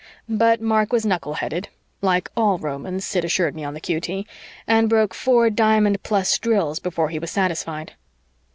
But Mark was knuckle headed (like all Romans, Sid assured me on the q.t.) and broke four diamond plus drills before he was satisfied.